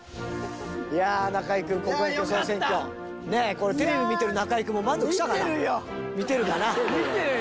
これテレビ見てる中居君も満足したかな？